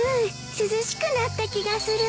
涼しくなった気がする。